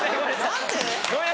何で？